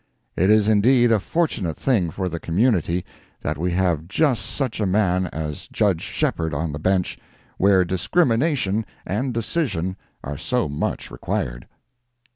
It is indeed a fortunate thing for the community that we have just such a man as Judge Shepheard on the bench, where discrimination and decision are so much required.